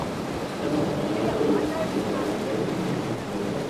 এরপর অন্যরা দৌড়ে গিয়ে তরবারি দ্বারা কেটে উটনীটির দেহ খণ্ড-বিখণ্ড করে।